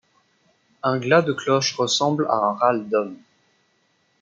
Un glas de cloche ressemble à un râle d’homme.